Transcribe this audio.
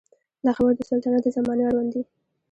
دا خبرې د سلطنت د زمانې اړوند دي.